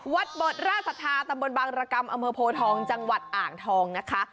บทราชศรัทธาตำบลบางรกรรมอำเภอโพทองจังหวัดอ่างทองนะคะ